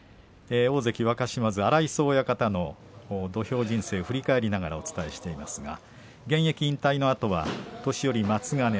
大関若嶋津、荒磯親方の土俵人生を振り返りながらお伝えしていますが現役引退のあとは年寄松ヶ